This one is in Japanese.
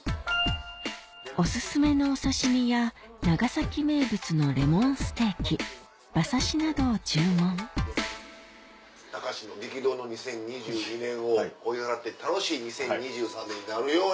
お薦めのお刺し身や長崎名物のレモンステーキ馬刺しなどを注文崇の激動の２０２２年を追い払って楽しい２０２３年になるように。